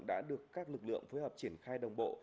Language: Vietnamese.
đã được các lực lượng phối hợp triển khai đồng bộ